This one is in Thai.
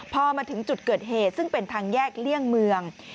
พอมาถึงจุดเกิดเหตุซึ่งเป็นทางแยกเลี่ยงเมือง